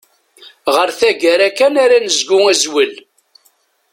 Ɣer taggara kan ara negzu azwel.